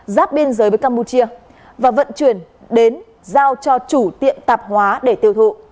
giáp biên giới với campuchia và vận chuyển đến giao cho chủ tiệm tạp hóa để tiêu thụ